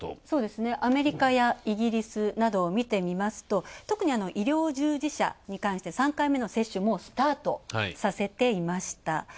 そうですね、アメリカやイギリス見てみますと、特に医療従事者に関しては３回目の接種、もうスタートさせてました。